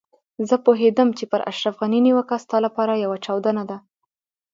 زه پوهېدم چې پر اشرف غني نيوکه ستا لپاره يوه چاودنه ده.